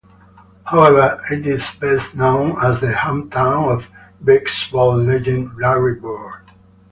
However, it is best known as the hometown of basketball legend Larry Bird.